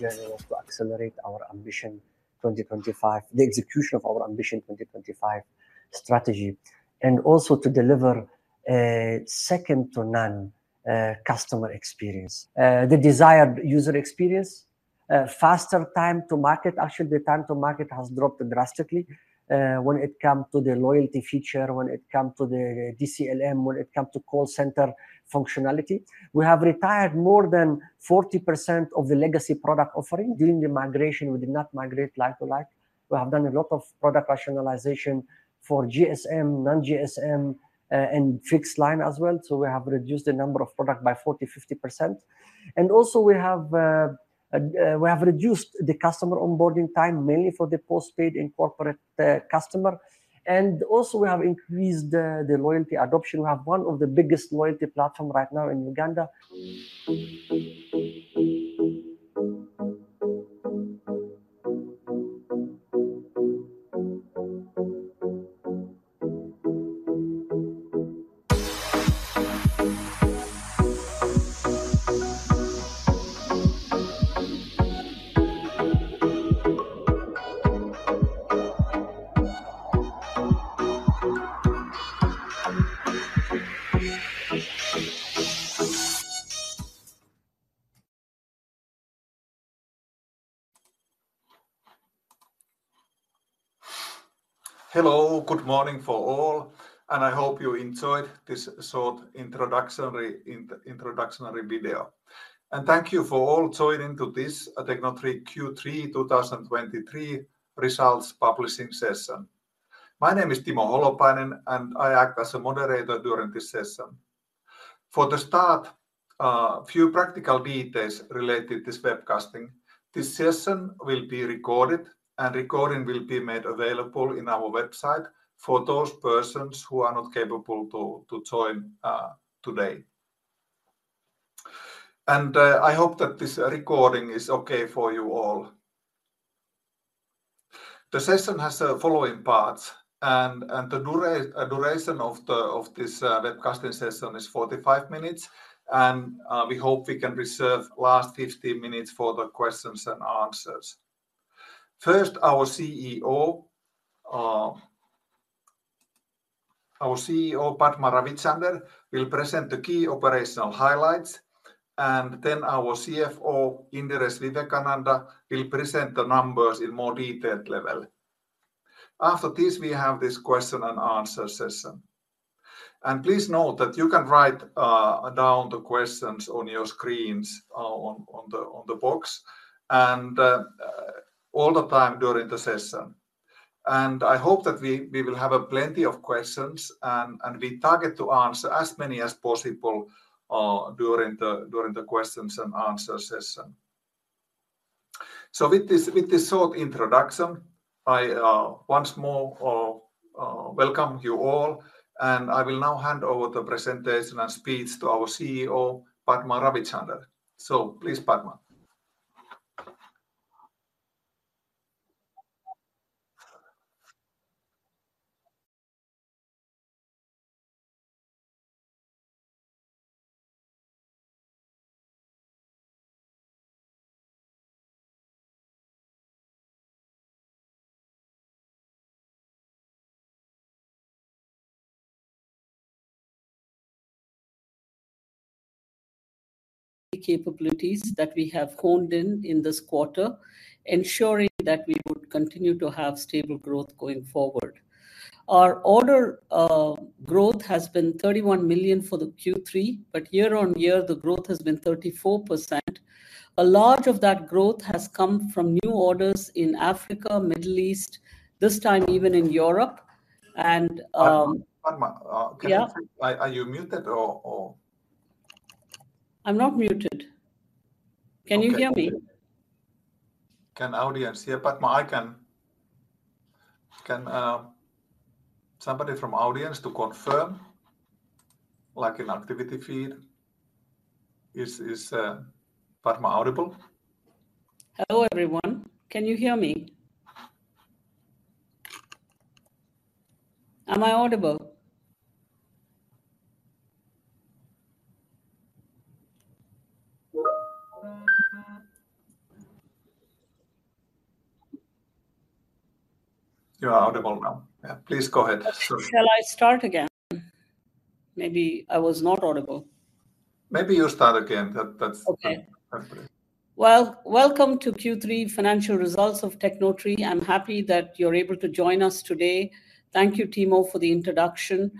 was to accelerate our Ambition 2025, the execution of our Ambition 2025 strategy, and also to deliver a second to none customer experience. The desired user experience, faster time to market. Actually, the time to market has dropped drastically when it come to the loyalty feature, when it come to the DCLM, when it come to call center functionality. We have retired more than 40% of the legacy product offering. During the migration, we did not migrate like to like. We have done a lot of product rationalization for GSM, non-GSM, and fixed line as well, so we have reduced the number of product by 40%-50%. And also we have reduced the customer onboarding time, mainly for the postpaid and corporate customer. And also we have increased the loyalty adoption. We have one of the biggest loyalty platform right now in Uganda. Hello, good morning for all, and I hope you enjoyed this short introductory video. Thank you for all joining to this Tecnotree Q3 2023 Results Publishing Session. My name is Timo Holopainen, and I act as a moderator during this session. For the start, a few practical details related this webcasting. This session will be recorded, and recording will be made available in our website for those persons who are not capable to join today. I hope that this recording is okay for you all. The session has the following parts, and the duration of this webcasting session is 45 minutes, and we hope we can reserve last 15 minutes for the questions and answers. First, our CEO, Padma Ravichander, will present the key operational highlights, and then our CFO, Indiresh Vivekananda, will present the numbers in more detailed level. After this, we have this question and answer session. And please note that you can write down the questions on your screens, on the box, and all the time during the session. And I hope that we will have a plenty of questions, and we target to answer as many as possible, during the questions and answer session. So with this short introduction, I once more welcome you all, and I will now hand over the presentation and speech to our CEO, Padma Ravichander. So please, Padma. capabilities that we have honed in on this quarter, ensuring that we would continue to have stable growth going forward. Our order growth has been 31 million for the Q3, but year-on-year, the growth has been 34%. A large of that growth has come from new orders in Africa, Middle East, this time even in Europe, and Padma, can you Yeah? Are you muted or? I'm not muted. Okay. Can you hear me? Can audience hear Padma? I can. Can, somebody from audience to confirm, like, in activity feed, is Padma audible? Hello, everyone. Can you hear me? Am I audible? You are audible now. Yeah, please go ahead. Shall I start again? Maybe I was not audible. Maybe you start again. Okay. That's great. Well, welcome to Q3 Financial Results of Tecnotree. I'm happy that you're able to join us today. Thank you, Timo, for the introduction.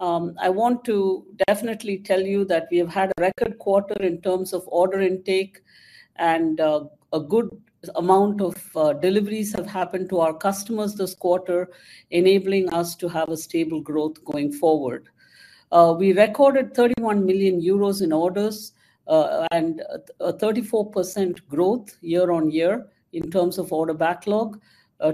I want to definitely tell you that we have had a record quarter in terms of order intake, and a good amount of deliveries have happened to our customers this quarter, enabling us to have a stable growth going forward. We recorded 31 million euros in orders, and a 34% growth year-over-year in terms of order backlog,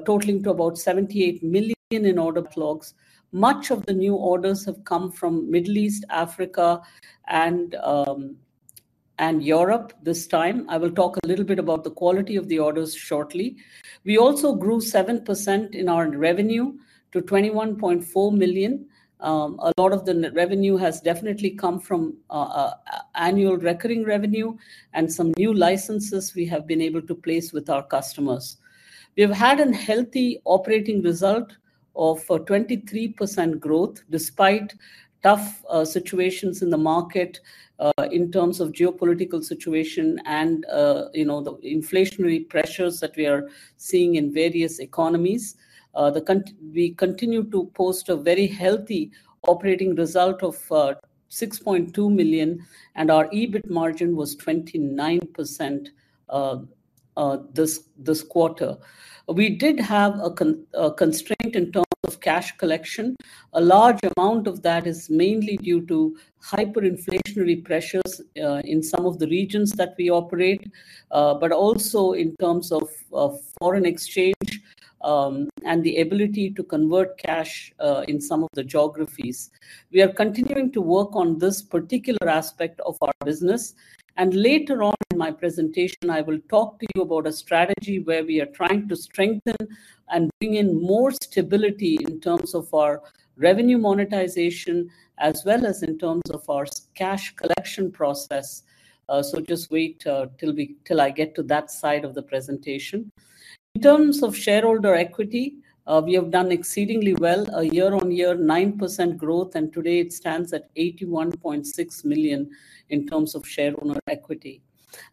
totaling to about 78 million in order backlogs. Much of the new orders have come from Middle East, Africa, and Europe this time. I will talk a little bit about the quality of the orders shortly. We also grew 7% in our revenue to 21.4 million. A lot of the revenue has definitely come from annual recurring revenue and some new licenses we have been able to place with our customers. We have had a healthy operating result of 23% growth despite tough situations in the market, in terms of geopolitical situation and, you know, the inflationary pressures that we are seeing in various economies. We continue to post a very healthy operating result of 6.2 million, and our EBIT margin was 29% this quarter. We did have a constraint in terms of cash collection. A large amount of that is mainly due to hyperinflationary pressures, in some of the regions that we operate, but also in terms of foreign exchange, and the ability to convert cash, in some of the geographies. We are continuing to work on this particular aspect of our business, and later on in my presentation, I will talk to you about a strategy where we are trying to strengthen and bring in more stability in terms of our revenue monetization, as well as in terms of our cash collection process. So just wait, till I get to that side of the presentation. In terms of shareholder equity, we have done exceedingly well, a year-on-year 9% growth, and today it stands at 81.6 million in terms of shareholder equity.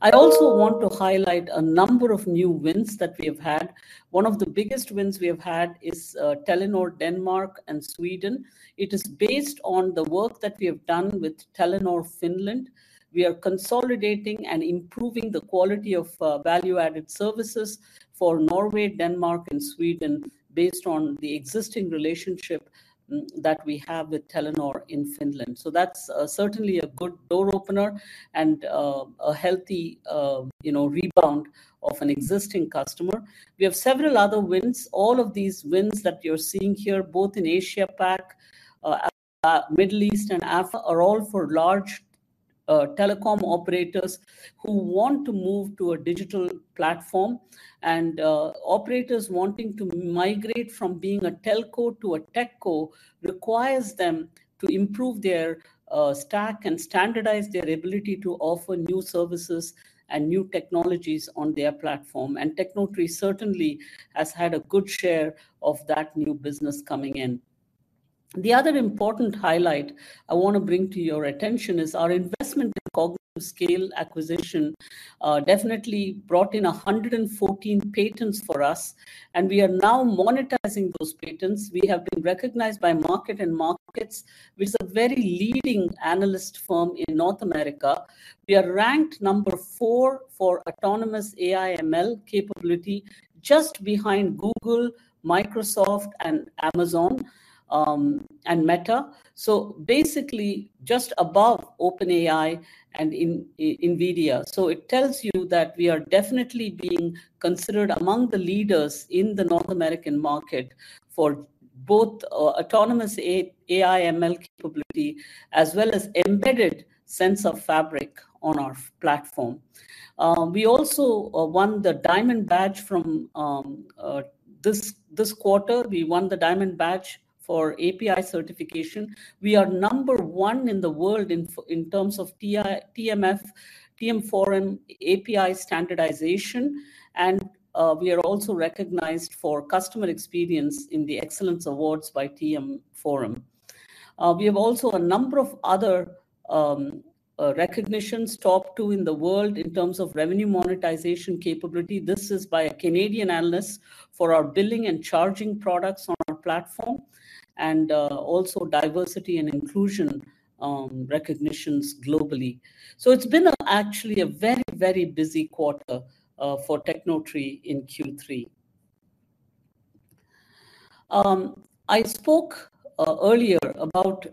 I also want to highlight a number of new wins that we have had. One of the biggest wins we have had is Telenor Denmark and Sweden. It is based on the work that we have done with Telenor Finland. We are consolidating and improving the quality of value-added services for Norway, Denmark, and Sweden, based on the existing relationship that we have with Telenor in Finland. So that's certainly a good door opener and a healthy, you know, rebound of an existing customer. We have several other wins. All of these wins that you're seeing here, both in Asia-Pacific, Middle East and Africa, are all for large telecom operators who want to move to a digital platform. Operators wanting to migrate from being a telco to a techco requires them to improve their, stack and standardize their ability to offer new services and new technologies on their platform. Tecnotree certainly has had a good share of that new business coming in. The other important highlight I wanna bring to your attention is our investment in CognitiveScale acquisition, definitely brought in 114 patents for us, and we are now monetizing those patents. We have been recognized by MarketsandMarkets, which is a very leading analyst firm in North America. We are ranked number four for autonomous AI/ML capability, just behind Google, Microsoft, and Amazon, and Meta. So basically, just above OpenAI and NVIDIA. So it tells you that we are definitely being considered among the leaders in the North American market for both, autonomous AI/ML capability, as well as embedded Sensa Fabric on our platform. We also won the Diamond Badge from. This quarter, we won the Diamond Badge for API certification. We are number one in the world in terms of TM Forum API standardization, and we are also recognized for customer experience in the Excellence Awards by TM Forum. We have also a number of other recognitions, top two in the world in terms of revenue monetization capability. This is by a Canadian analyst for our billing and charging products on our platform, and also diversity and inclusion recognitions globally. So it's been actually a very, very busy quarter for Tecnotree in Q3. I spoke earlier about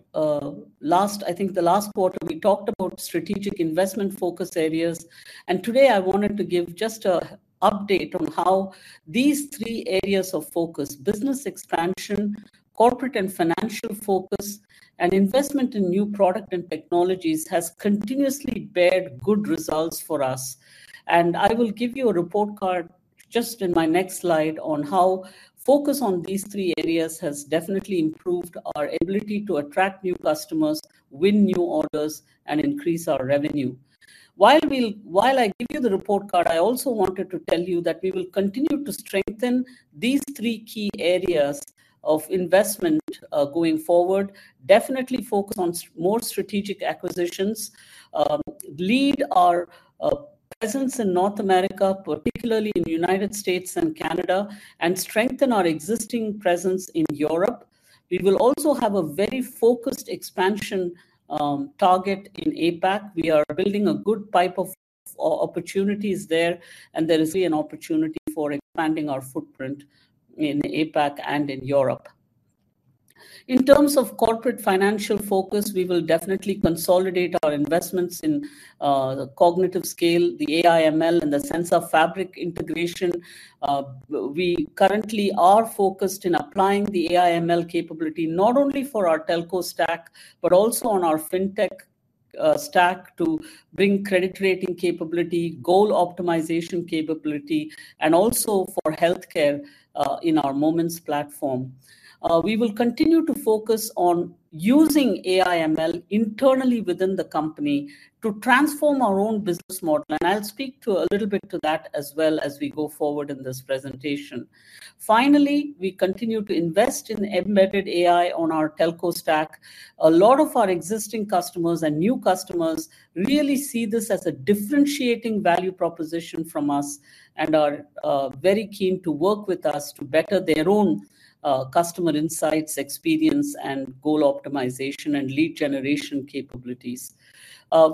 last. I think the last quarter, we talked about strategic investment focus areas, and today I wanted to give just an update on how these three areas of focus: business expansion, corporate and financial focus, and investment in new product and technologies, has continuously beared good results for us. And I will give you a report card just in my next slide on how focus on these three areas has definitely improved our ability to attract new customers, win new orders, and increase our revenue. While I give you the report card, I also wanted to tell you that we will continue to strengthen these three key areas of investment going forward. Definitely focus on more strategic acquisitions, lead our presence in North America, particularly in the United States and Canada, and strengthen our existing presence in Europe. We will also have a very focused expansion target in APAC. We are building a good pipe of opportunities there, and there is an opportunity for expanding our footprint in APAC and in Europe. In terms of corporate financial focus, we will definitely consolidate our investments in the CognitiveScale, the AI/ML, and the Sensa Fabric integration. We currently are focused in applying the AI/ML capability, not only for our telco stack, but also on our fintech stack to bring credit rating capability, goal optimization capability, and also for healthcare in our Moments platform. We will continue to focus on using AI/ML internally within the company to transform our own business model, and I'll speak to a little bit to that as well as we go forward in this presentation. Finally, we continue to invest in embedded AI on our telco stack. A lot of our existing customers and new customers really see this as a differentiating value proposition from us and are very keen to work with us to better their own customer insights, experience, and goal optimization, and lead generation capabilities.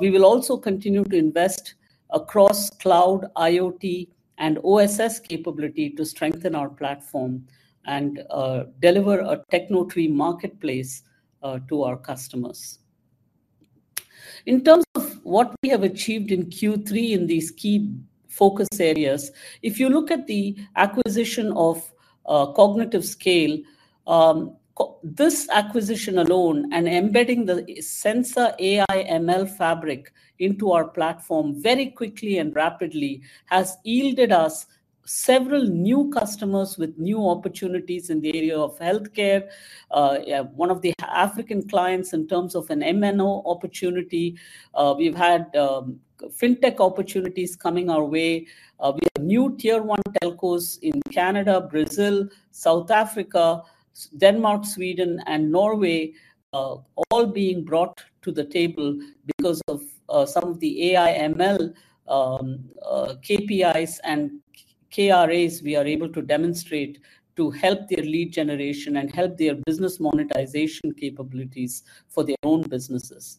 We will also continue to invest across cloud, IoT, and OSS capability to strengthen our platform and deliver a Tecnotree Marketplace to our customers. In terms of what we have achieved in Q3 in these key focus areas, if you look at the acquisition of CognitiveScale, this acquisition alone and embedding the Sensa AI/ML fabric into our platform very quickly and rapidly, has yielded us several new customers with new opportunities in the area of healthcare. Yeah, one of the African clients, in terms of an MNO opportunity, we've had FinTech opportunities coming our way. We have new Tier 1 telcos in Canada, Brazil, South Africa, Denmark, Sweden, and Norway, all being brought to the table because of some of the AI/ML KPIs and KRAs we are able to demonstrate to help their lead generation and help their business monetization capabilities for their own businesses.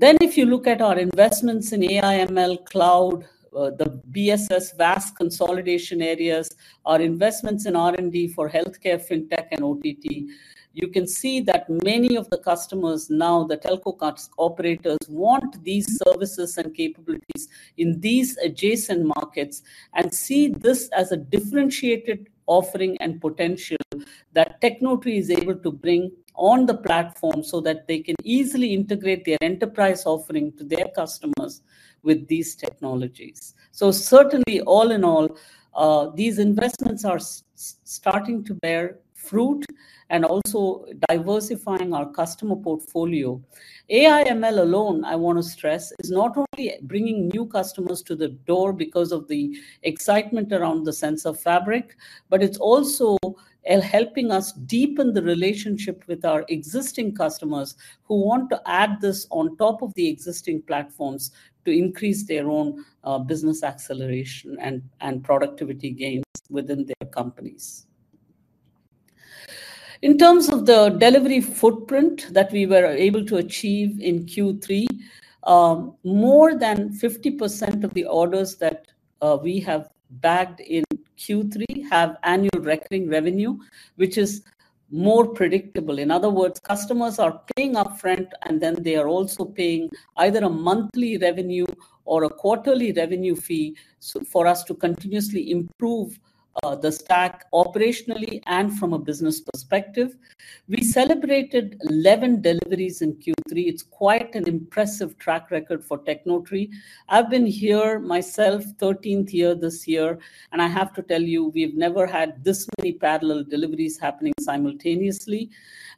If you look at our investments in AI/ML, cloud, the BSS VASP consolidation areas, our investments in R&D for healthcare, FinTech, and OTT, you can see that many of the customers now, the telco operators, want these services and capabilities in these adjacent markets and see this as a differentiated offering and potential that Tecnotree is able to bring on the platform, so that they can easily integrate their enterprise offering to their customers with these technologies. Certainly, all in all, these investments are starting to bear fruit and also diversifying our customer portfolio. AI/ML alone, I wanna stress, is not only bringing new customers to the door because of the excitement around the Sensa Fabric, but it's also helping us deepen the relationship with our existing customers who want to add this on top of the existing platforms to increase their own, business acceleration and productivity gains within their companies. In terms of the delivery footprint that we were able to achieve in Q3, more than 50% of the orders that we have bagged in Q3 have annual recurring revenue, which is more predictable. In other words, customers are paying up front, and then they are also paying either a monthly revenue or a quarterly revenue fee, so for us to continuously improve the stack operationally and from a business perspective. We celebrated 11 deliveries in Q3. It's quite an impressive track record for Tecnotree. I've been here myself, 13th year this year, and I have to tell you, we've never had this many parallel deliveries happening simultaneously.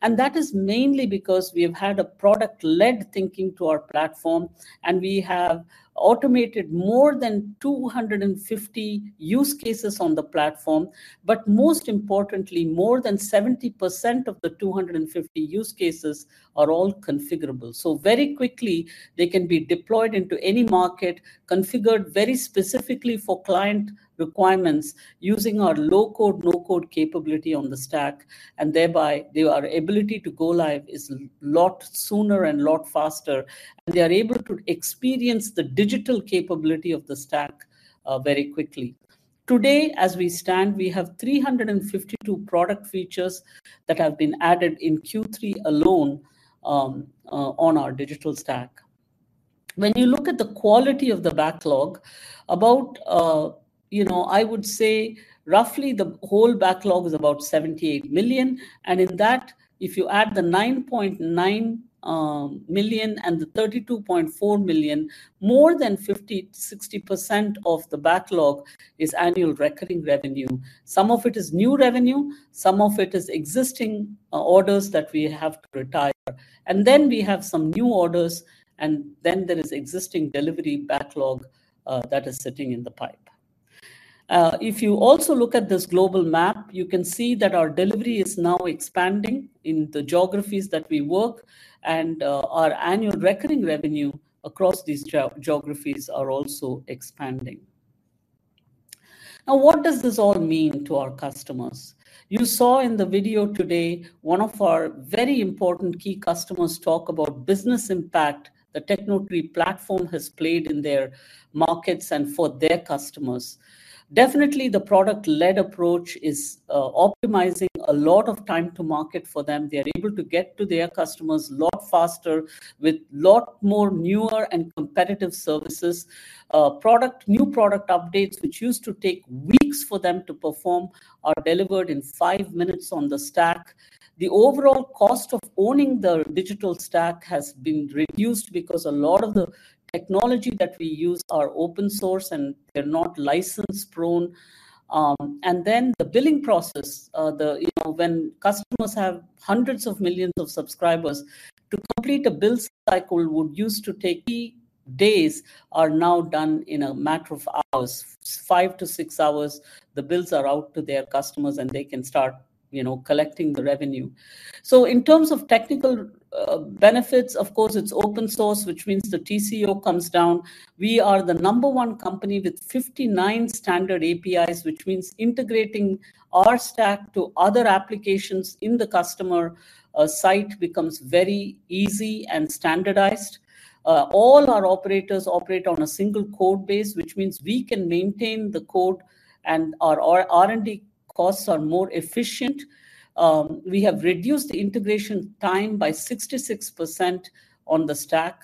And that is mainly because we have had a product-led thinking to our platform, and we have automated more than 250 use cases on the platform. But most importantly, more than 70% of the 250 use cases are all configurable. So very quickly, they can be deployed into any market, configured very specifically for client requirements using our low-code, no-code capability on the stack, and thereby, their ability to go-live is a lot sooner and a lot faster, and they are able to experience the digital capability of the stack very quickly. Today, as we stand, we have 352 product features that have been added in Q3 alone on our digital stack. When you look at the quality of the backlog, about, you know, I would say roughly the whole backlog is about 78 million, and in that, if you add the 9.9 million and the 32.4 million, more than 50%-60% of the backlog is annual recurring revenue. Some of it is new revenue, some of it is existing orders that we have to retire. And then we have some new orders, and then there is existing delivery backlog that is sitting in the pipe. If you also look at this global map, you can see that our delivery is now expanding in the geographies that we work, and our annual recurring revenue across these geographies are also expanding. Now, what does this all mean to our customers? You saw in the video today, one of our very important key customers talk about business impact the Tecnotree platform has played in their markets and for their customers. Definitely, the product-led approach is optimizing a lot of time to market for them. They are able to get to their customers a lot faster with lot more newer and competitive services. New product updates, which used to take weeks for them to perform, are delivered in five minutes on the stack. The overall cost of owning the digital stack has been reduced because a lot of the technology that we use are open source, and they're not license prone. And then the billing process, you know, when customers have hundreds of millions of subscribers, to complete a bill cycle would used to take days, are now done in a matter of hours. 5-6 hours, the bills are out to their customers, and they can start, you know, collecting the revenue. So in terms of technical benefits, of course, it's open source, which means the TCO comes down. We are the number one company with 59 standard APIs, which means integrating our stack to other applications in the customer site becomes very easy and standardized. All our operators operate on a single code base, which means we can maintain the code, and our R&D costs are more efficient. We have reduced the integration time by 66% on the stack.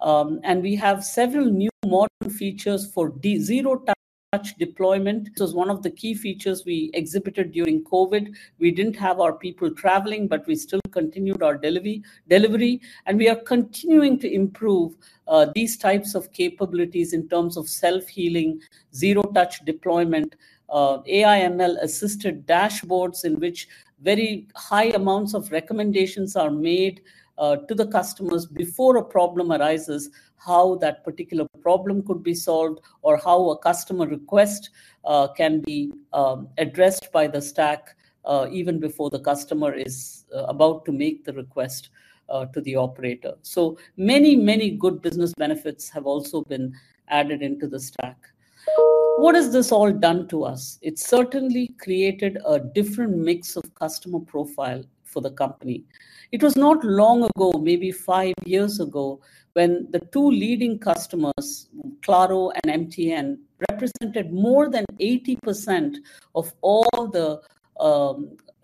And we have several new modern features for zero-touch deployment. This is one of the key features we exhibited during COVID. We didn't have our people traveling, but we still continued our delivery, and we are continuing to improve these types of capabilities in terms of self-healing, zero-touch deployment, AI/ML-assisted dashboards, in which very high amounts of recommendations are made to the customers before a problem arises, how that particular problem could be solved, or how a customer request can be addressed by the stack, even before the customer is about to make the request to the operator. So many, many good business benefits have also been added into the stack. What has this all done to us? It certainly created a different mix of customer profile for the company. It was not long ago, maybe five years ago, when the two leading customers, Claro and MTN, represented more than 80% of all the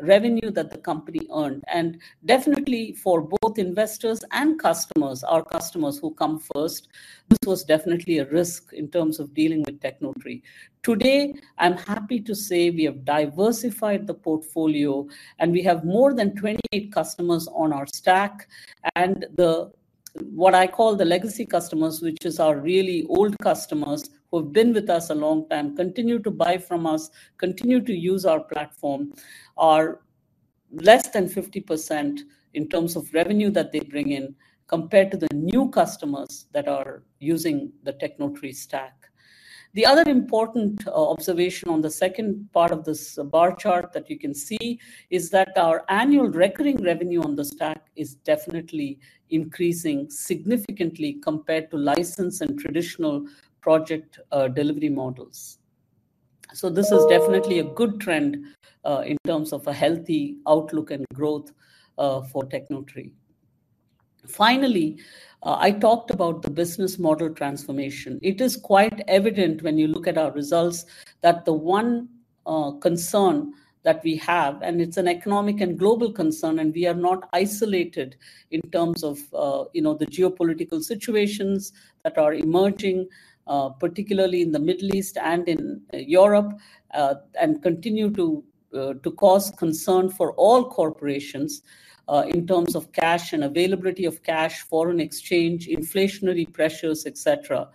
revenue that the company earned, and definitely for both investors and customers, our customers who come first, this was definitely a risk in terms of dealing with Tecnotree. Today, I'm happy to say we have diversified the portfolio, and we have more than 28 customers on our stack, and the, what I call the legacy customers, which is our really old customers who have been with us a long time, continue to buy from us, continue to use our platform, are less than 50% in terms of revenue that they bring in, compared to the new customers that are using the Tecnotree stack. The other important observation on the second part of this bar chart that you can see, is that our annual recurring revenue on the stack is definitely increasing significantly compared to license and traditional project delivery models. So this is definitely a good trend in terms of a healthy outlook and growth for Tecnotree. Finally, I talked about the business model transformation. It is quite evident when you look at our results, that the one concern that we have, and it's an economic and global concern, and we are not isolated in terms of you know, the geopolitical situations that are emerging, particularly in the Middle East and in Europe, and continue to cause concern for all corporations in terms of cash and availability of cash, foreign exchange, inflationary pressures, et cetera.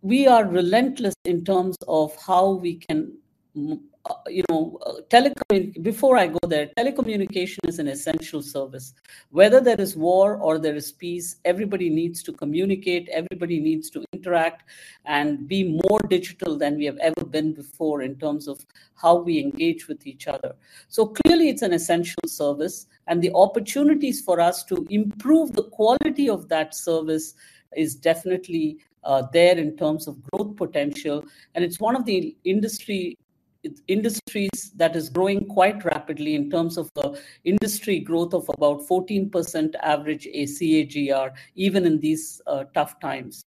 We are relentless in terms of how we can, telecom. Before I go there, telecommunication is an essential service. Whether there is war or there is peace, everybody needs to communicate, everybody needs to interact and be more digital than we have ever been before in terms of how we engage with each other. So clearly, it's an essential service, and the opportunities for us to improve the quality of that service is definitely there in terms of growth potential, and it's one of the industry, it's industries that is growing quite rapidly in terms of the industry growth of about 14% average CAGR, even in these tough times.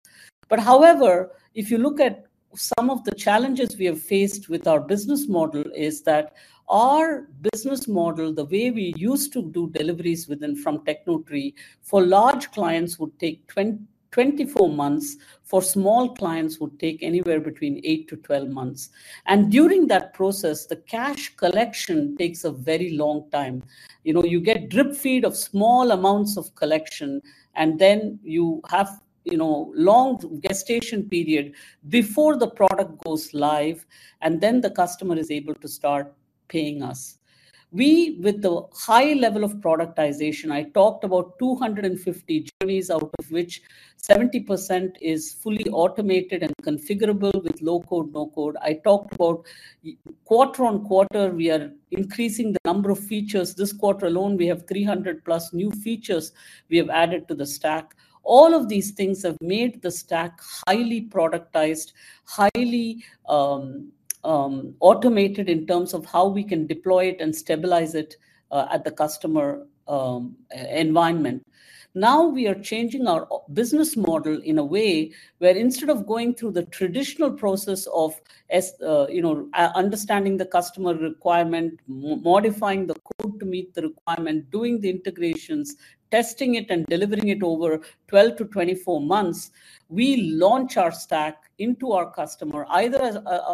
But however, if you look at some of the challenges we have faced with our business model, is that our business model, the way we used to do deliveries within. from Tecnotree, for large clients, would take 24 months; for small clients, would take anywhere between 8-12 months. And during that process, the cash collection takes a very long time. You know, you get drip feed of small amounts of collection, and then you have, you know, long gestation period before the product goes live, and then the customer is able to start paying us. We, with the high level of productization, I talked about 250 journeys, out of which 70% is fully automated and configurable with low-code, no-code. I talked about quarter-on-quarter, we are increasing the number of features. This quarter alone, we have 300+ new features we have added to the stack. All of these things have made the stack highly productized, highly automated in terms of how we can deploy it and stabilize it, at the customer environment. Now, we are changing our business model in a way where instead of going through the traditional process of, you know, understanding the customer requirement, modifying the code to meet the requirement, doing the integrations, testing it, and delivering it over 12-24 months, we launch our stack into our customer, either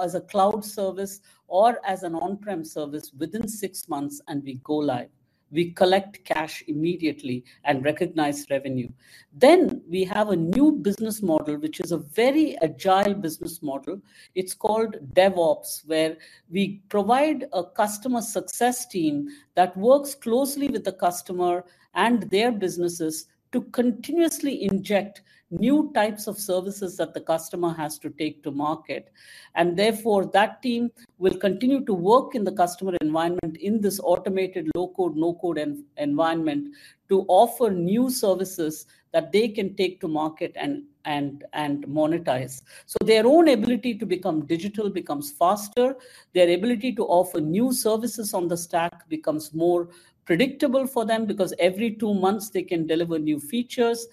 as a cloud service or as an on-prem service within 6 months, and we go-live. We collect cash immediately and recognize revenue. Then we have a new business model, which is a very agile business model. It's called DevOps, where we provide a customer success team that works closely with the customer and their businesses to continuously inject new types of services that the customer has to take to market. Therefore, that team will continue to work in the customer environment in this automated low-code/no-code environment to offer new services that they can take to market and monetize. Their own ability to become digital becomes faster. Their ability to offer new services on the stack becomes more predictable for them, because every two months they can deliver new features.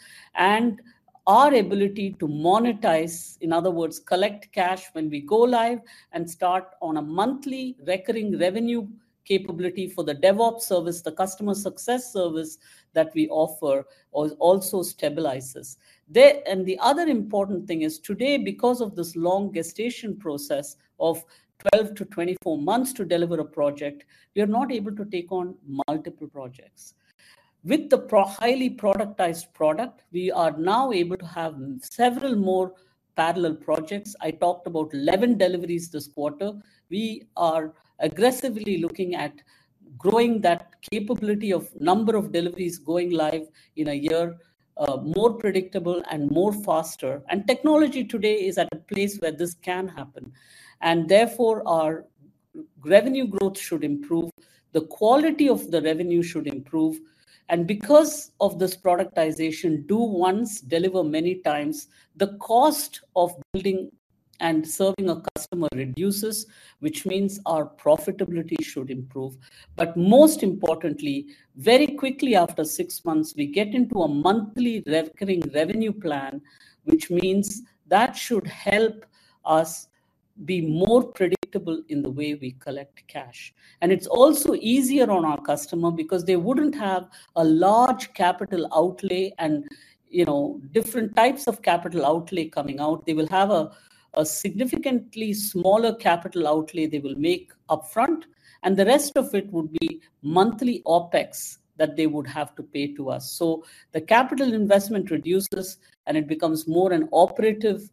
Our ability to monetize, in other words, collect cash when we go-live and start on a monthly recurring revenue capability for the DevOps service, the customer success service that we offer, also stabilizes. The. And the other important thing is, today, because of this long gestation process of 12-24 months to deliver a project, we are not able to take on multiple projects. With the highly productized product, we are now able to have several more parallel projects. I talked about 11 deliveries this quarter. We are aggressively looking at growing that capability of number of deliveries going live in a year, more predictable and more faster. And technology today is at a place where this can happen. And therefore, our revenue growth should improve, the quality of the revenue should improve, and because of this productization, do once, deliver many times, the cost of building and serving a customer reduces, which means our profitability should improve. But most importantly, very quickly after six months, we get into a monthly recurring revenue plan, which means that should help us be more predictable in the way we collect cash. And it's also easier on our customer because they wouldn't have a large capital outlay and, you know, different types of capital outlay coming out. They will have a significantly smaller capital outlay they will make upfront, and the rest of it would be monthly OpEx that they would have to pay to us. So the capital investment reduces, and it becomes more an operating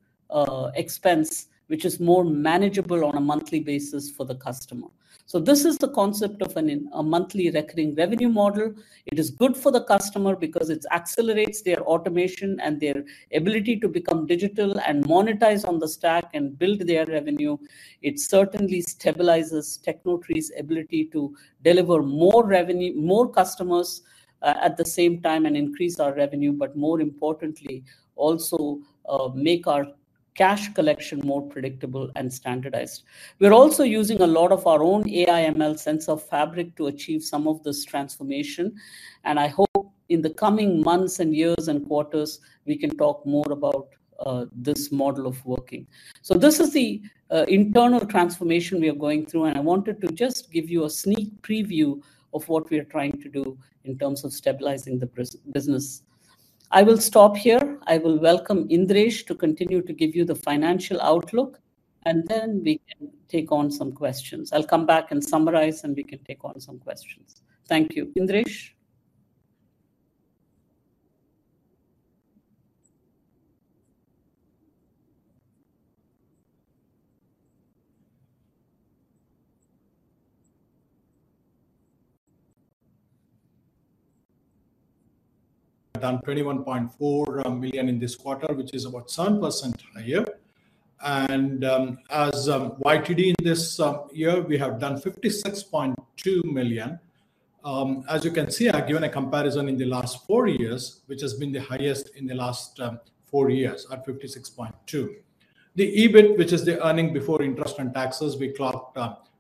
expense, which is more manageable on a monthly basis for the customer. So this is the concept of a monthly recurring revenue model. It is good for the customer because it accelerates their automation and their ability to become digital and monetize on the stack and build their revenue. It certainly stabilizes Tecnotree's ability to deliver more revenue, more customers, at the same time and increase our revenue, but more importantly, also, make our cash collection more predictable and standardized. We're also using a lot of our own AI/ML Sensa Fabric to achieve some of this transformation, and I hope in the coming months, and years, and quarters, we can talk more about, this model of working. So this is the internal transformation we are going through, and I wanted to just give you a sneak preview of what we are trying to do in terms of stabilizing the business. I will stop here. I will welcome Indiresh to continue to give you the financial outlook, and then we can take on some questions. I'll come back and summarize, and we can take on some questions. Thank you. Indiresh? done 1.4 million in this quarter, which is about 7% higher. And as of YTD in this year, we have done 56.2 million. As you can see, I've given a comparison in the last four years, which has been the highest in the last four years at 56.2 million. The EBIT, which is earnings before interest and taxes, we clocked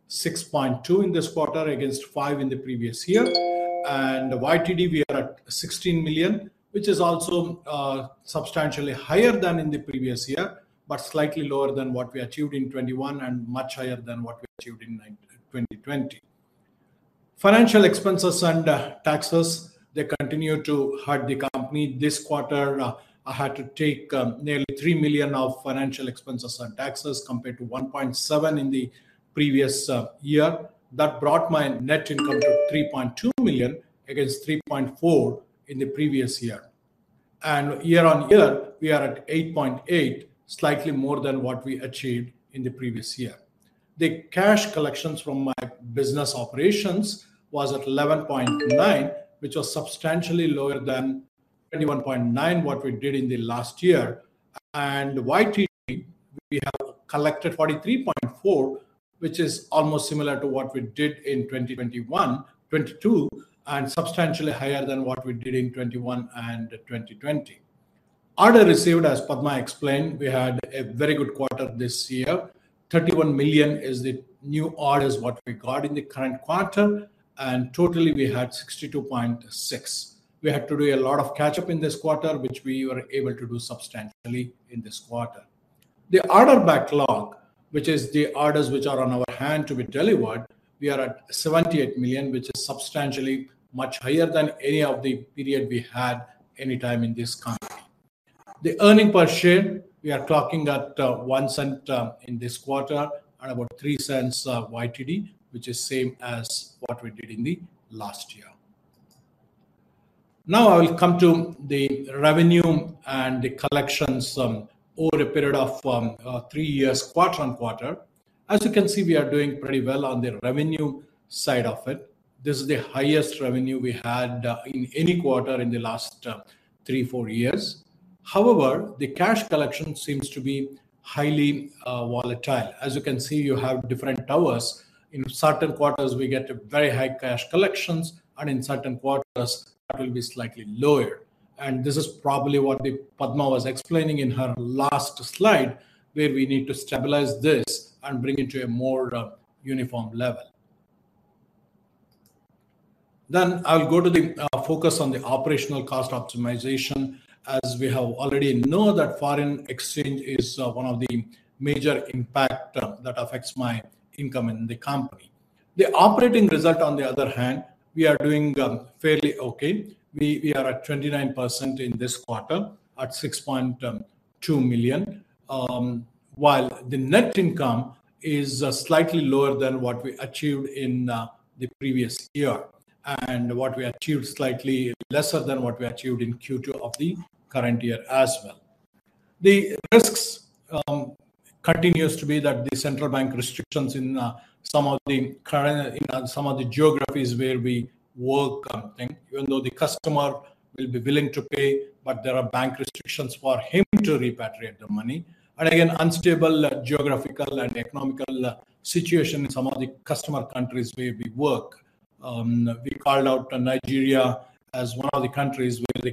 6.2 in this quarter against 5 in the previous year. And YTD, we are at 16 million, which is also substantially higher than in the previous year, but slightly lower than what we achieved in 2021, and much higher than what we achieved in 2020. Financial expenses and taxes, they continue to hurt the company. This quarter, I had to take nearly 3 million of financial expenses and taxes compared to 1.7 million in the previous year. That brought my net income to 3.2 million, against 3.4 million in the previous year. And year on year, we are at 8.8 million, slightly more than what we achieved in the previous year. The cash collections from my business operations was at 11.9 million, which was substantially lower than 21.9 million, what we did in the last year. And YTD, we have collected 43.4 million, which is almost similar to what we did in 2022, and substantially higher than what we did in 2021 and 2020. Order received, as Padma explained, we had a very good quarter this year. 31 million is the new orders, what we got in the current quarter, and totally we had 62.6 million. We had to do a lot of catch-up in this quarter, which we were able to do substantially in this quarter. The order backlog, which is the orders which are on our hand to be delivered, we are at 78 million, which is substantially much higher than any of the period we had any time in this country. The earnings per share, we are talking at 0.01 in this quarter and about 0.03 YTD, which is same as what we did in the last year. Now, I will come to the revenue and the collections over a period of three years, quarter-over-quarter. As you can see, we are doing pretty well on the revenue side of it. This is the highest revenue we had in any quarter in the last 3-4 years. However, the cash collection seems to be highly volatile. As you can see, you have different towers. In certain quarters, we get a very high cash collections, and in certain quarters, that will be slightly lower. And this is probably what the Padma was explaining in her last slide, where we need to stabilize this and bring it to a more uniform level. Then I'll go to the focus on the operational cost optimization. As we have already know, that foreign exchange is one of the major impact that affects my income in the company. The operating result, on the other hand, we are doing fairly okay. We, we are at 29% in this quarter, at 6.2 million. While the net income is slightly lower than what we achieved in the previous year, and what we achieved slightly lesser than what we achieved in Q2 of the current year as well. The risks continues to be that the central bank restrictions in some of the current. In some of the geographies where we work, even though the customer will be willing to pay, but there are bank restrictions for him to repatriate the money. And again, unstable geographical and economic situation in some of the customer countries where we work. We called out Nigeria as one of the countries where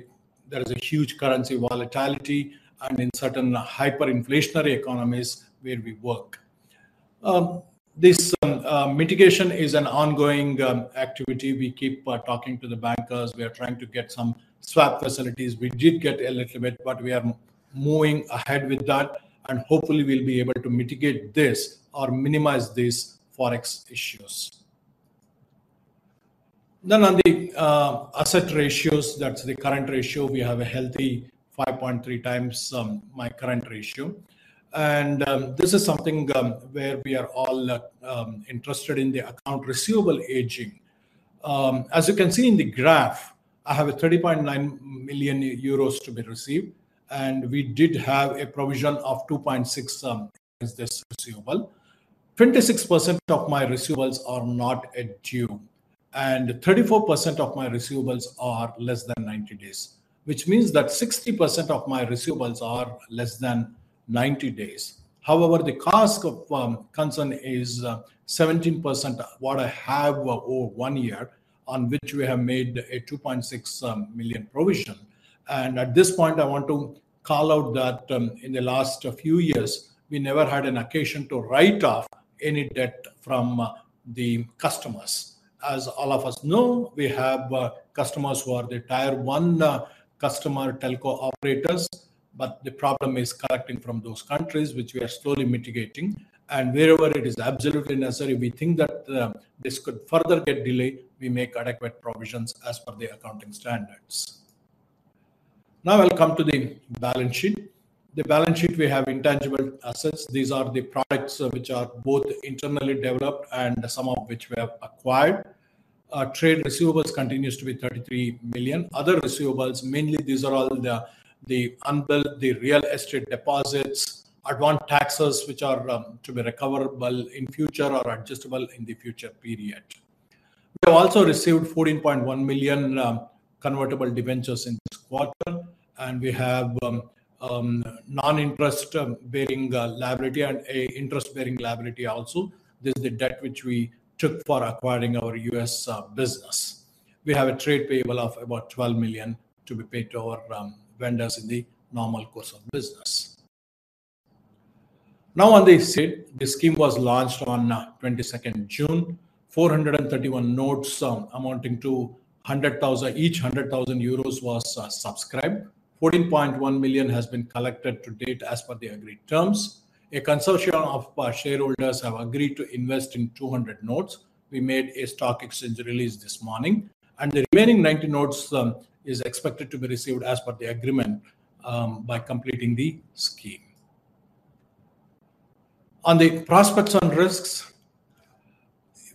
there is a huge currency volatility and in certain hyperinflationary economies where we work. This mitigation is an ongoing activity. We keep talking to the bankers. We are trying to get some swap facilities. We did get a little bit, but we are moving ahead with that, and hopefully we'll be able to mitigate this or minimize these Forex issues. Then on the asset ratios, that's the current ratio. We have a healthy 5.3 times my current ratio. And this is something where we are all interested in the account receivable aging. As you can see in the graph, I have 30.9 million euros to be received, and we did have a provision of 2.6 as the receivable. 26% of my receivables are not at due, and 34% of my receivables are less than 90 days, which means that 60% of my receivables are less than 90 days. However, the cost of concern is 17% what I have over one year, on which we have made a 2.6 million provision. And at this point, I want to call out that in the last few years, we never had an occasion to write off any debt from the customers. As all of us know, we have customers who are the Tier 1 customer telco operators, but the problem is collecting from those countries, which we are slowly mitigating. And wherever it is absolutely necessary, we think that this could further get delayed, we make adequate provisions as per the accounting standards. Now, I'll come to the balance sheet. The balance sheet, we have intangible assets. These are the products which are both internally developed and some of which we have acquired. Our trade receivables continues to be 33 million. Other receivables, mainly, these are all the unbilled, the real estate deposits, advanced taxes, which are to be recoverable in future or adjustable in the future period. We also received 14.1 million convertible debentures in this quarter, and we have non-interest-bearing liability and an interest-bearing liability also. This is the debt which we took for acquiring our U.S. business. We have a trade payable of about 12 million to be paid to our vendors in the normal course of business. Now, on the SID, the scheme was launched on June 22. 431 notes amounting to 100,000 each was subscribed. 14.1 million has been collected to date as per the agreed terms. A consortium of shareholders have agreed to invest in 200 notes. We made a stock exchange release this morning, and the remaining 90 notes is expected to be received as per the agreement by completing the scheme. On the prospects and risks,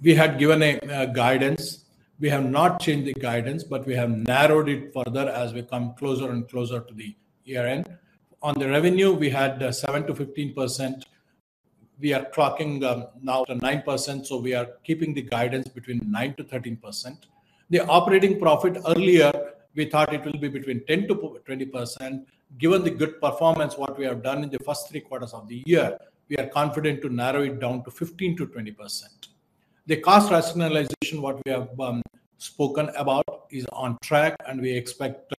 we had given a guidance. We have not changed the guidance, but we have narrowed it further as we come closer and closer to the year-end. On the revenue, we had 7%-15%. We are tracking now to 9%, so we are keeping the guidance between 9%-13%. The operating profit earlier, we thought it will be between 10%-20%. Given the good performance, what we have done in the first three quarters of the year, we are confident to narrow it down to 15%-20%. The cost rationalization, what we have spoken about, is on track, and we expect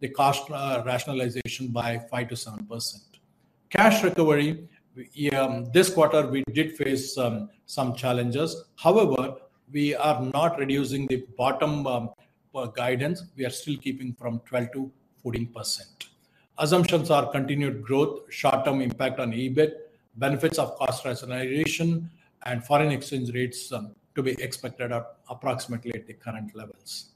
the cost rationalization by 5%-7%. Cash recovery, this quarter, we did face some challenges. However, we are not reducing the bottom guidance. We are still keeping from 12%-14%. Assumptions are continued growth, short-term impact on EBIT, benefits of cost rationalization and foreign exchange rates to be expected at approximately at the current levels.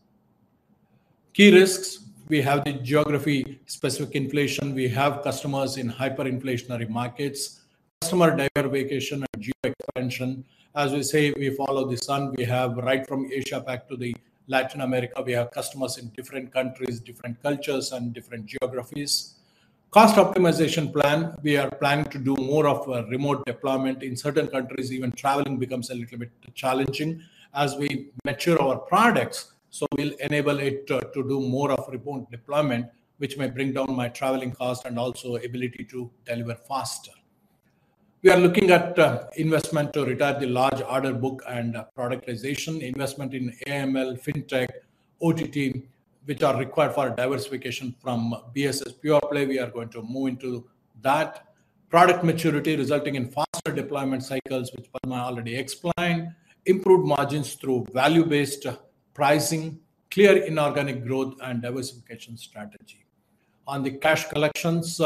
Key risks: we have the geography-specific inflation, we have customers in hyperinflationary markets, customer diversification and geo expansion. As we say, we follow the sun. We have right from Asia back to Latin America, we have customers in different countries, different cultures, and different geographies. Cost optimization plan, we are planning to do more of remote deployment. In certain countries, even traveling becomes a little bit challenging as we mature our products. So we'll enable it to do more of remote deployment, which may bring down my traveling cost and also ability to deliver faster. We are looking at investment to retire the large order book and productization, investment in AI/ML, Fintech, OTT, which are required for diversification from BSS pure play. We are going to move into that. Product maturity, resulting in faster deployment cycles, which Padma already explained. Improved margins through value-based pricing, clear inorganic growth, and diversification strategy. On the cash collections,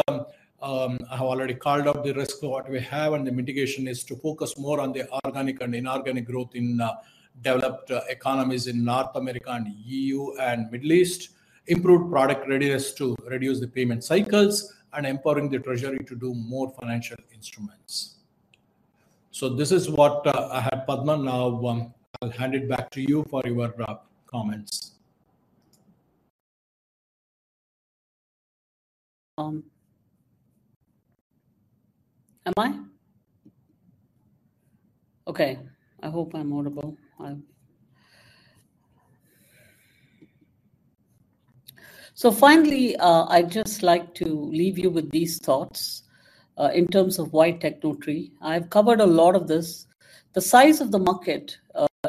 I have already called up the risk of what we have, and the mitigation is to focus more on the organic and inorganic growth in developed economies in North America and EU and Middle East, improved product readiness to reduce the payment cycles, and empowering the treasury to do more financial instruments. So this is what I had, Padma. Now, I'll hand it back to you for your wrap comments. Am I? Okay, I hope I'm audible. So finally, I'd just like to leave you with these thoughts, in terms of why Tecnotree. I've covered a lot of this. The size of the market,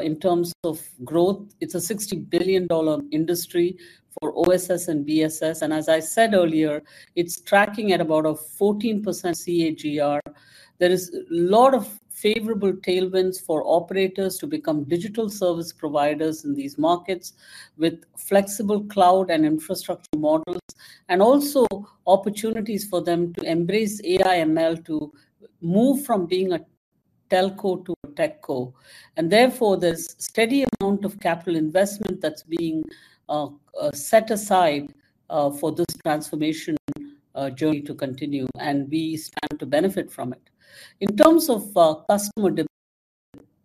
in terms of growth, it's a $60 billion industry for OSS and BSS, and as I said earlier, it's tracking at about a 14% CAGR. There is a lot of favorable tailwinds for operators to become digital service providers in these markets with flexible cloud and infrastructure models, and also opportunities for them to embrace AI/ML to move from being a telco to a techco. And therefore, there's steady amount of capital investment that's being set aside for this transformation journey to continue, and we stand to benefit from it. In terms of customer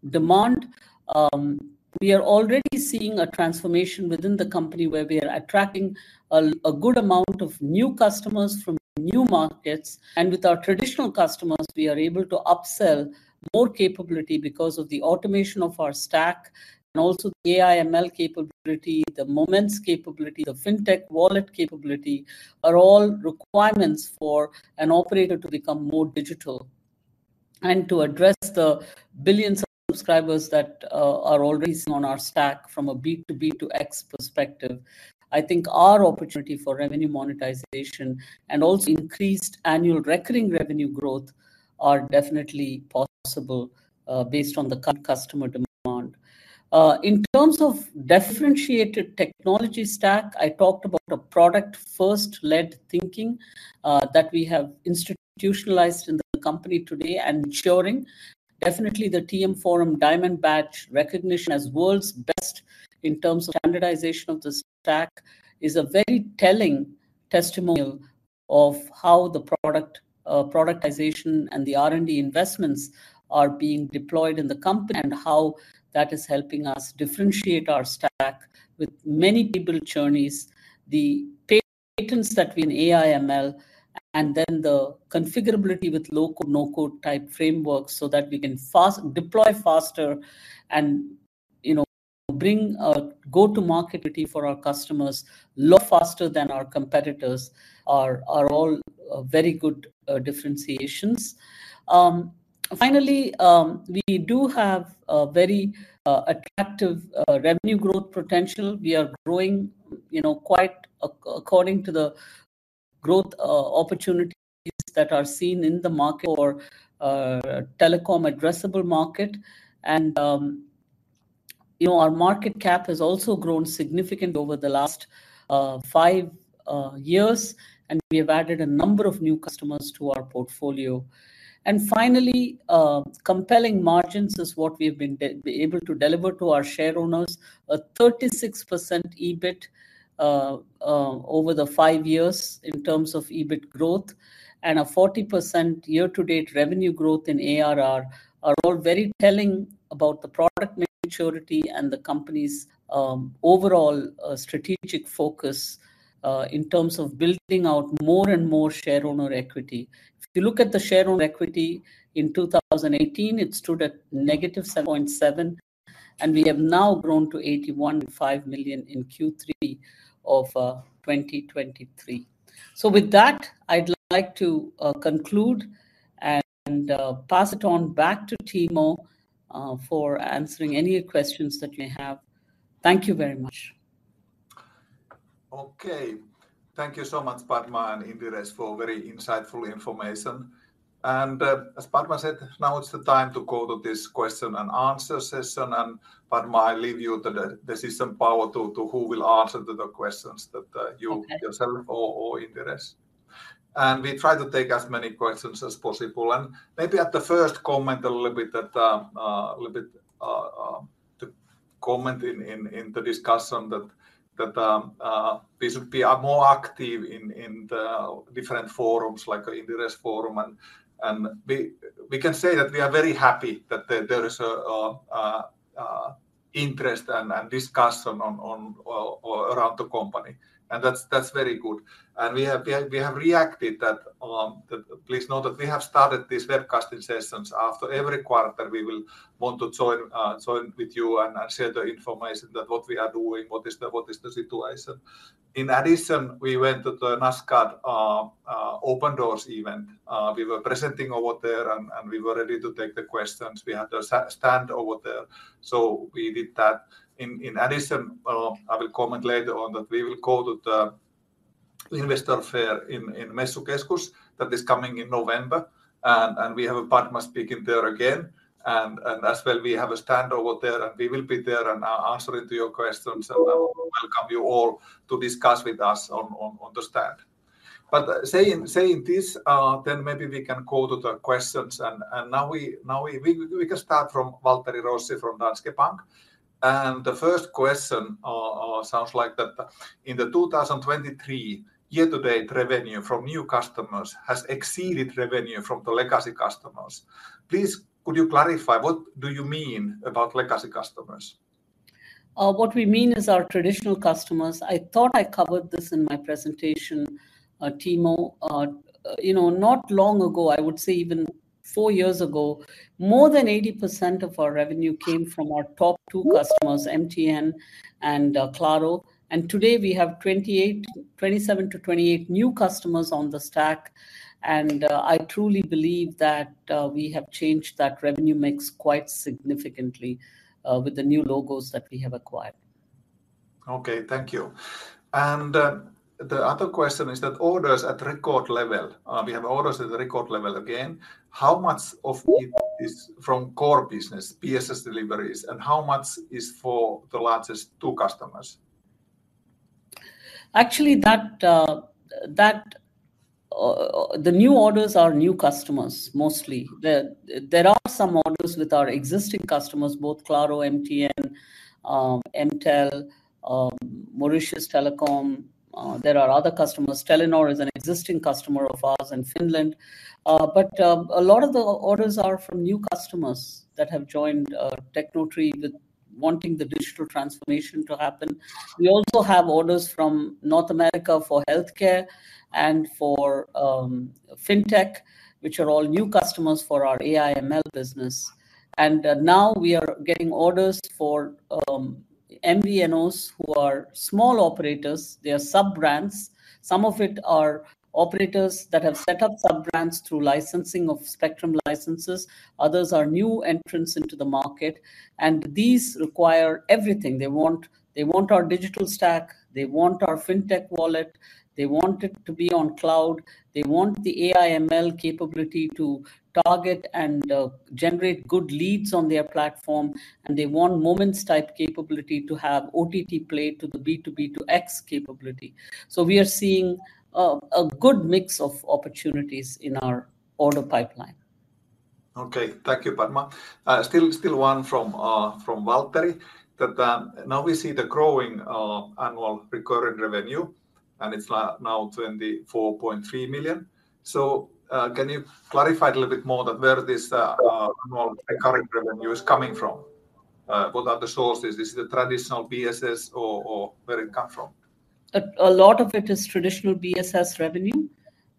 demand, we are already seeing a transformation within the company where we are attracting a good amount of new customers from new markets, and with our traditional customers, we are able to upsell more capability because of the automation of our stack, and also the AI/ML capability, the Moments capability, the fintech wallet capability, are all requirements for an operator to become more digital. To address the billions of subscribers that are already on our stack from a B2B2X perspective, I think our opportunity for revenue monetization and also increased annual recurring revenue growth are definitely possible based on the current customer demand. In terms of differentiated technology stack, I talked about a product-first led thinking that we have institutionalized in the company today and ensuring. Definitely, the TM Forum Diamond Badge recognition as world's best in terms of standardization of the stack is a very telling testimonial of how the product, productization and the R&D investments are being deployed in the company, and how that is helping us differentiate our stack with many people journeys, the patents that we in AI/ML, and then the configurability with low-code, no-code type framework, so that we can deploy faster and, you know, bring a go-to-market for our customers a lot faster than our competitors are all very good differentiations. Finally, we do have a very attractive revenue growth potential. We are growing, you know, quite accordingly to the growth opportunities that are seen in the market or telecom addressable market. You know, our market cap has also grown significant over the last 5 years, and we have added a number of new customers to our portfolio. Finally, compelling margins is what we've been able to deliver to our shareowners. A 36% EBIT over the 5 years in terms of EBIT growth, and a 40% year-to-date revenue growth in ARR are all very telling about the product maturity and the company's overall strategic focus in terms of building out more and more shareowner equity. If you look at the shareowner equity in 2018, it stood at -7.7 million, and we have now grown to 81.5 million in Q3 of 2023. So with that, I'd like to conclude and pass it on back to Timo for answering any questions that you may have. Thank you very much. Okay. Thank you so much, Padma and Indiresh, for very insightful information. And, as Padma said, now is the time to go to this question and answer session. And, Padma, I leave you to the decision power to who will answer to the questions that you- Okay. Yourself or, or Indiresh We try to take as many questions as possible, and maybe at the first comment a little bit that, a little bit. to comment in the discussion that we should be more active in the different forums, like in the Inderes Forum. And we can say that we are very happy that there is a interest and discussion on around the company, and that's very good. And we have reacted that. Please note that we have started these webcasting sessions. After every quarter, we will want to join with you and share the information that what we are doing, what is the situation. In addition, we went to the Nasdaq Open Doors event. We were presenting over there, and we were ready to take the questions. We had a stand over there, so we did that. In addition, I will comment later on that we will go to the investor fair in Messukeskus that is coming in November, and we have Padma speaking there again. And as well, we have a stand over there, and we will be there and answering to your questions, and I welcome you all to discuss with us on the stand. But saying this, then maybe we can go to the questions, and now we can start from Valtteri Rossi from Danske Bank. And the first question sounds like that, "In the 2023, year-to-date revenue from new customers has exceeded revenue from the legacy customers. Please, could you clarify, what do you mean about legacy customers? What we mean is our traditional customers. I thought I covered this in my presentation, Timo. You know, not long ago, I would say even 4 years ago, more than 80% of our revenue came from our top two customers, MTN and Claro. And today, we have 28... 27 to 28 new customers on the stack, and I truly believe that we have changed that revenue mix quite significantly with the new logos that we have acquired. Okay, thank you. And, the other question is that orders at record level. We have orders at the record level again. How much of it is from core business, BSS deliveries, and how much is for the largest two customers? Actually, the new orders are new customers, mostly. There are some orders with our existing customers, both Claro, MTN, MTEL, Mauritius Telecom. There are other customers. Telenor is an existing customer of ours in Finland, but a lot of the orders are from new customers that have joined Tecnotree with wanting the digital transformation to happen. We also have orders from North America for healthcare and for fintech, which are all new customers for our AI/ML business. And now we are getting orders for MVNOs who are small operators. They are sub-brands. Some of it are operators that have set up sub-brands through licensing of spectrum licenses. Others are new entrants into the market, and these require everything. They want, they want our digital stack, they want our fintech wallet, they want it to be on cloud, they want the AI/ML capability to target and generate good leads on their platform, and they want Moments-type capability to have OTT play to the B2B2X capability. So we are seeing a good mix of opportunities in our order pipeline. Okay. Thank you, Padma. Still one from Valtteri, that now we see the growing annual recurring revenue, and it's now 24.3 million. So, can you clarify a little bit more that where this annual recurring revenue is coming from? What are the sources? Is it the traditional BSS or where it come from? A lot of it is traditional BSS revenue,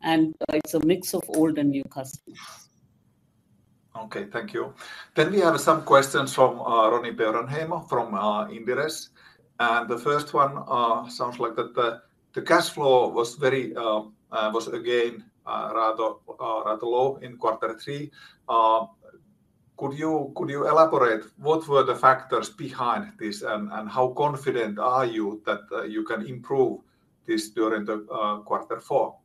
and it's a mix of old and new customers. Okay, thank you. We have some questions from Roni Peuranheimo from Inderes, and the first one sounds like the cash flow was very, was again, rather, rather low in quarter three. Could you elaborate what were the factors behind this, and how confident are you that you can improve this during quarter four?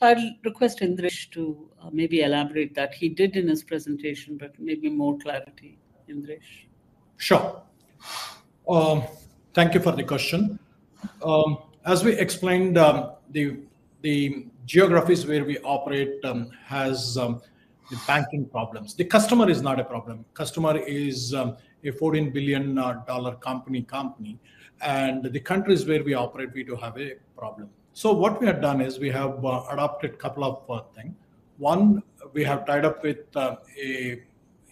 I'll request Indiresh to, maybe elaborate that. He did in his presentation, but maybe more clarity. Indiresh? Sure. Thank you for the question. As we explained, the geographies where we operate has the banking problems. The customer is not a problem. Customer is a $14 billion company, company, and the countries where we operate, we do have a problem. So what we have done is we have adopted couple of thing. One, we have tied up with a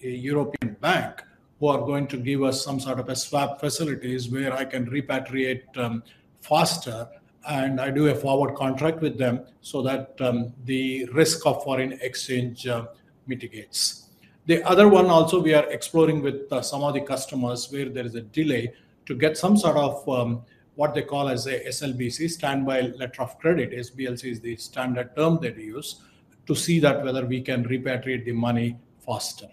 European bank who are going to give us some sort of a swap facilities where I can repatriate faster, and I do a forward contract with them so that the risk of foreign exchange mitigates. The other one also, we are exploring with some of the customers, where there is a delay, to get some sort of what they call as a SLBC, standby letter of credit, SBLC is the standard term they use, to see that whether we can repatriate the money faster.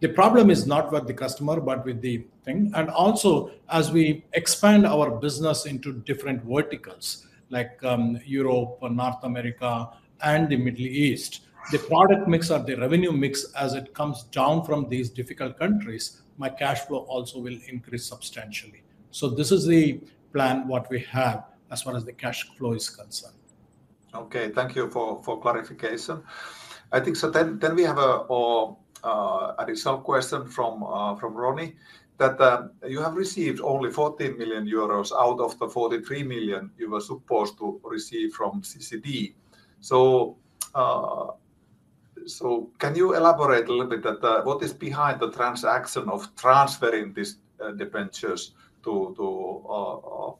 The problem is not with the customer, but with the thing. And also, as we expand our business into different verticals, like Europe and North America and the Middle East, the product mix or the revenue mix, as it comes down from these difficult countries, my cash flow also will increase substantially. So this is the plan, what we have as far as the cash flow is concerned. Okay, thank you for clarification. I think so then, then we have an additional question from Roni, that you have received only 14 million euros out of the 43 million you were supposed to receive from CCD. So, so can you elaborate a little bit that what is behind the transaction of transferring these debentures to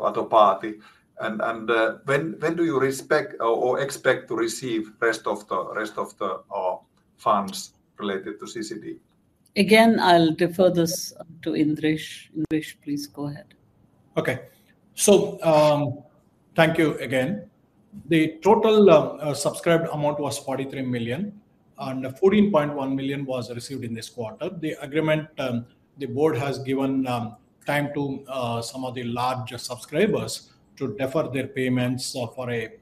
other party? And, when do you expect or expect to receive rest of the, rest of the funds related to CCD? Again, I'll defer this to Indiresh. Indiresh, please go ahead. Okay. So, thank you again. The total subscribed amount was 43 million, and 14.1 million was received in this quarter. The agreement, the board has given time to some of the larger subscribers to defer their payments for a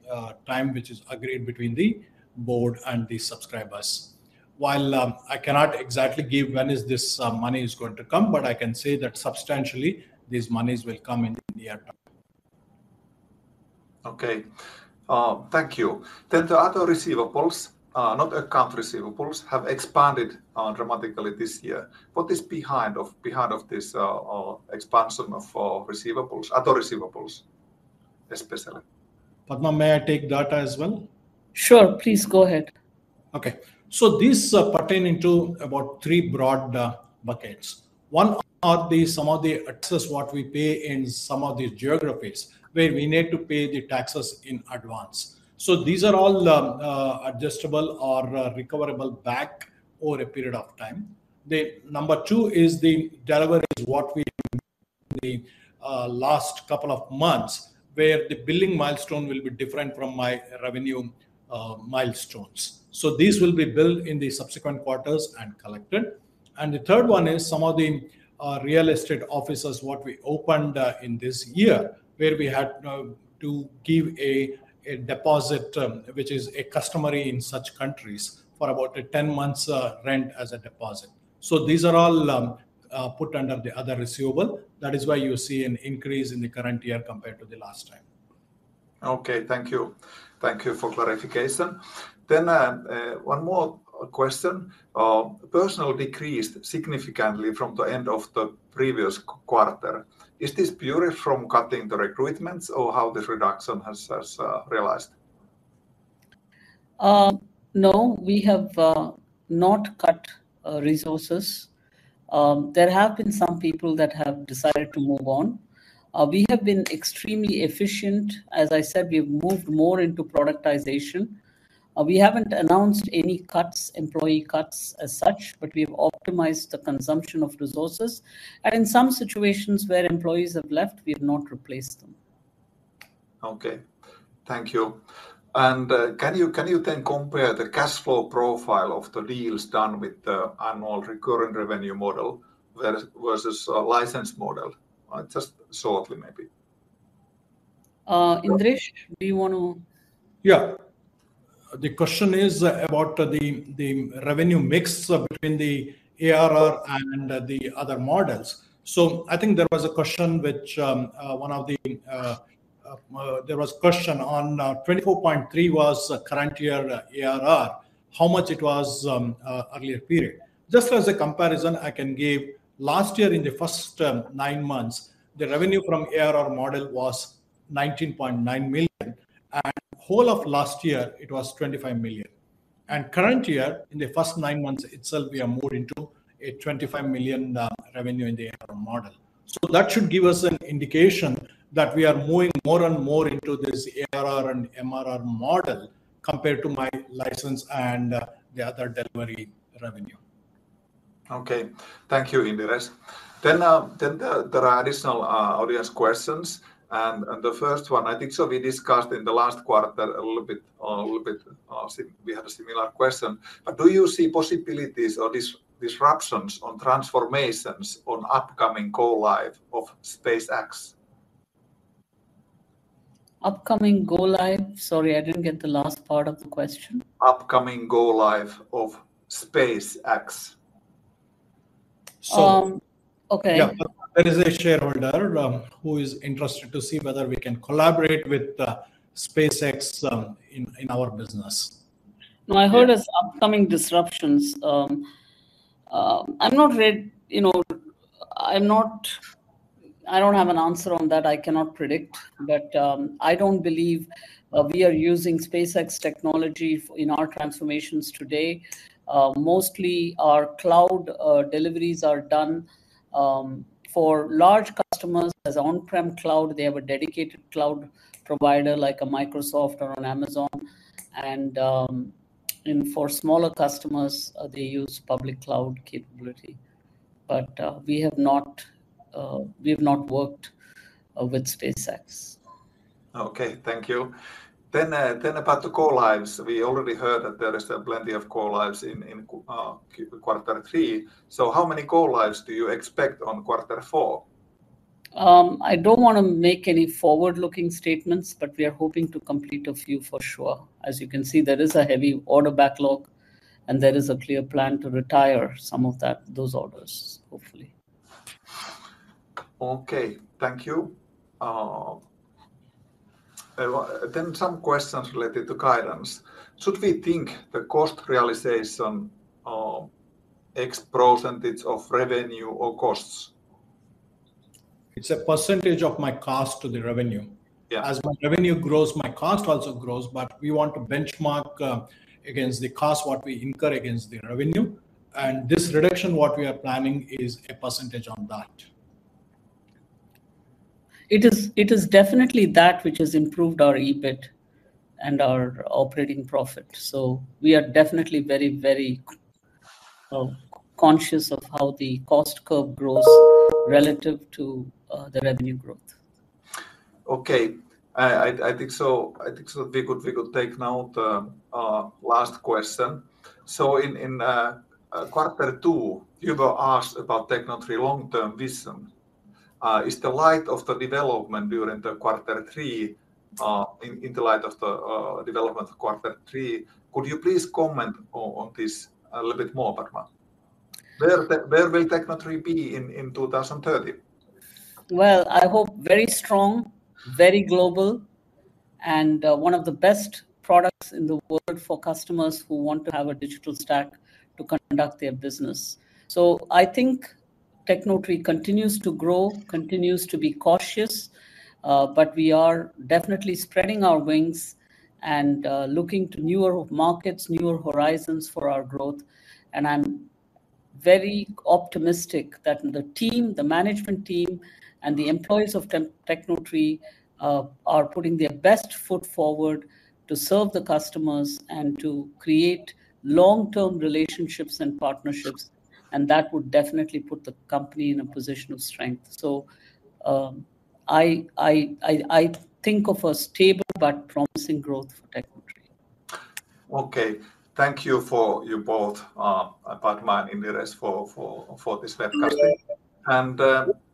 time which is agreed between the board and the subscribers. While I cannot exactly give when is this money is going to come, but I can say that substantially these monies will come in, in the near time. Okay. Thank you. Then the other receivables, not account receivables, have expanded dramatically this year. What is behind this expansion of other receivables especially? Padma, may I take that as well? Sure, please go ahead. Okay. So these are pertaining to about three broad buckets. One are some of the taxes what we pay in some of these geographies, where we need to pay the taxes in advance. So these are all adjustable or recoverable back over a period of time. The number two is the deliveries, what we the last couple of months, where the billing milestone will be different from my revenue milestones. So these will be billed in the subsequent quarters and collected. And the third one is some of the real estate offices what we opened in this year, where we had to give a deposit, which is a customary in such countries for about a 10 months rent as a deposit. So these are all put under the other receivable. That is why you see an increase in the current year compared to the last time. Okay, thank you. Thank you for clarification. Then, one more question: Personnel decreased significantly from the end of the previous quarter. Is this purely from cutting the recruitments, or how this reduction has realized? No, we have not cut resources. There have been some people that have decided to move on. We have been extremely efficient. As I said, we've moved more into productization. We haven't announced any cuts, employee cuts as such, but we've optimized the consumption of resources, and in some situations where employees have left, we've not replaced them. Okay. Thank you. And, can you then compare the cash flow profile of the deals done with the annual recurring revenue model versus license model? Just shortly, maybe. Indiresh, do you want to Yeah. The question is about the revenue mix between the ARR and the other models. So I think there was a question which one of the there was a question on 24.3 was current year ARR, how much it was, earlier period. Just as a comparison, I can give last year in the first nine months, the revenue from ARR model was 19.9 million, and whole of last year it was 25 million. And current year, in the first nine months itself, we are more into a 25 million revenue in the ARR model. So that should give us an indication that we are moving more and more into this ARR and MRR model compared to my license and the other delivery revenue. Okay. Thank you, Indiresh. Then, there are additional audience questions, and the first one, I think so we discussed in the last quarter a little bit, a little bit, we had a similar question, but do you see possibilities or disruptions on transformations on upcoming go-live of SpaceX? Upcoming go-live? Sorry, I didn't get the last part of the question. Upcoming go-live of SpaceX. So- okay. Yeah. There is a shareholder who is interested to see whether we can collaborate with SpaceX in our business. No, I heard as upcoming disruptions. I'm not really. You know, I'm not— I don't have an answer on that. I cannot predict, but, I don't believe, we are using SpaceX technology in our transformations today. Mostly, our cloud deliveries are done, for large customers. As on-prem cloud, they have a dedicated cloud provider, like a Microsoft or an Amazon, and, and for smaller customers, they use public cloud capability. But, we have not, we have not worked, with SpaceX. Okay, thank you. Then about the go-lives, we already heard that there is plenty of go-lives in quarter three. So how many go-lives do you expect on quarter four? I don't want to make any forward-looking statements, but we are hoping to complete a few for sure. As you can see, there is a heavy order backlog, and there is a clear plan to retire some of that, those orders, hopefully. Okay, thank you. Then some questions related to guidance. Should we think the cost realization, X percentage of revenue or costs? It's a percentage of my cost to the revenue. Yeah. As my revenue grows, my cost also grows, but we want to benchmark against the cost, what we incur against the revenue, and this reduction, what we are planning, is a percentage on that. It is, it is definitely that which has improved our EBIT and our operating profit. So we are definitely very, very, conscious of how the cost curve grows relative to the revenue growth. Okay. I think so. We could take now the last question. So in quarter two, you were asked about Tecnotree long-term vision. In the light of the development of quarter three, could you please comment on this a little bit more, Padma? Where will Tecnotree be in 2030? Well, I hope very strong, very global, and one of the best products in the world for customers who want to have a digital stack to conduct their business. So I think Tecnotree continues to grow, continues to be cautious, but we are definitely spreading our wings and looking to newer markets, newer horizons for our growth. And I'm very optimistic that the team, the management team, and the employees of Tecnotree are putting their best foot forward to serve the customers and to create long-term relationships and partnerships, and that would definitely put the company in a position of strength. So I think of a stable but promising growth for Tecnotree. Okay. Thank you for you both, Padma and Indiresh, for this webcast. And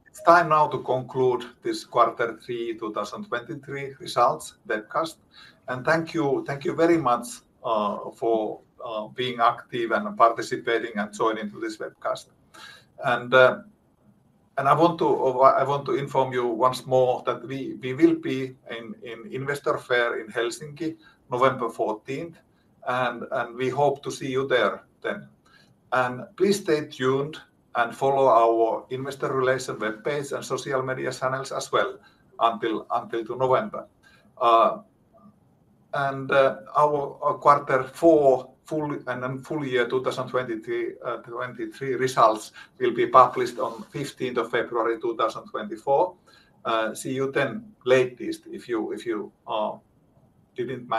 it's time now to conclude this quarter three 2023 results webcast. And thank you, thank you very much, for being active and participating and tuning into this webcast. And I want to inform you once more that we will be in Investor Fair in Helsinki, November 14, and we hope to see you there then. And please stay tuned and follow our investor relations webpage and social media channels as well until to November. And our quarter four full and then full year 2023 results will be published on 15th of February 2024. See you then latest if you didn't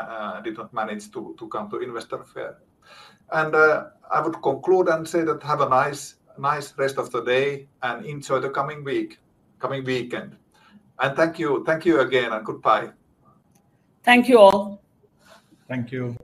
manage to come to Investor Fair. I would conclude and say, have a nice, nice rest of the day, and enjoy the coming week. coming weekend. Thank you, thank you again, and goodbye. Thank you all. Thank you.